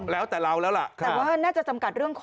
แล้วแต่เราแล้วล่ะแต่ว่าน่าจะจำกัดเรื่องของ